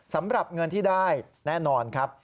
สำหรับเงินที่ได้แน่นอนครับ